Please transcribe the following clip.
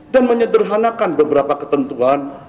dan menyederhanakan beberapa ketentuan